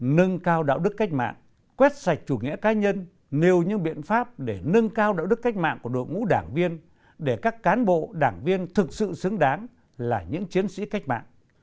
nâng cao đạo đức cách mạng quét sạch chủ nghĩa cá nhân nêu những biện pháp để nâng cao đạo đức cách mạng của đội ngũ đảng viên để các cán bộ đảng viên thực sự xứng đáng là những chiến sĩ cách mạng